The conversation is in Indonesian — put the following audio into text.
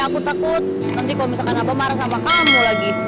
aku takut nanti kalau misalkan aku marah sama kamu lagi